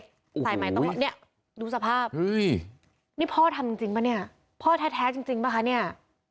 นี่ดูสภาพนี่พ่อทำจริงปะเนี่ยพ่อแท้จริงปะคะเนี่ย